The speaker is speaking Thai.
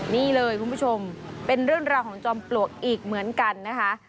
นี่เลยคุณผู้ชมเป็นเรื่องราวของจอมปลวกอีกเหมือนกันนะคะ